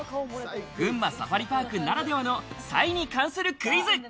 群馬サファリパークならではのサイに関するクイズ。